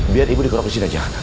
biar ibu dikerokin aja